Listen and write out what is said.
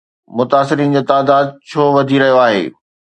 متاثرين جو تعداد ڇو وڌي رهيو آهي؟